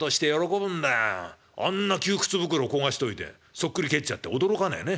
あんな窮屈袋焦がしといて反っくり返っちゃって驚かねえね。